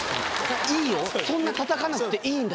「いいよそんなたたかなくていいんだよ」。